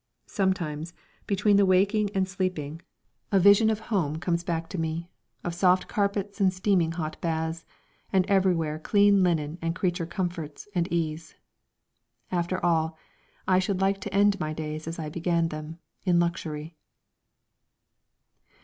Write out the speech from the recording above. Sometimes, between waking and sleeping, a vision of home comes back to me, of soft carpets and steaming hot baths, and everywhere clean linen and creature comforts and ease. After all, I should like to end my days as I began them in luxury.